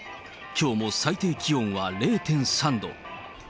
きょうも最低気温は０．３度。